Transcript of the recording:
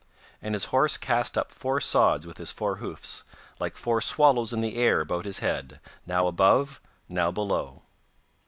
And his horse cast up four sods with his four hoofs, like four swallows in the air about his head, now above, now below.